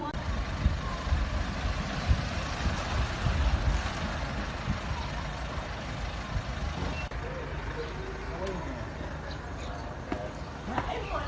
สวัสดีทุกคน